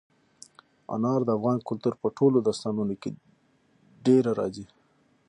انار د افغان کلتور په ټولو داستانونو کې ډېره راځي.